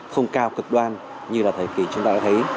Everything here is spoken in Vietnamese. không cao cực đoan như là thời kỳ chúng ta đã thấy